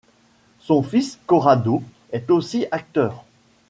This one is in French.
Son fils Corrado est aussi acteur.